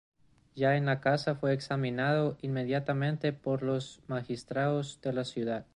Ya en la casa fue examinado inmediatamente por los magistrados de la ciudad.